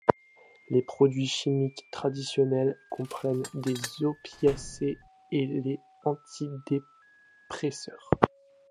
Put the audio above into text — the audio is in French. Les produits chimiques traditionnels comprennent les opiacés et les antidépresseurs.